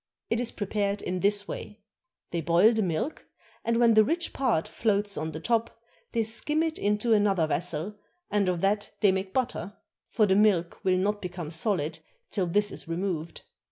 It is prepared in this way: they boil the milk, and when the rich part floats on the top, they skim it into another vessel, and of that they make butter; for the milk will not become solid till this is removed.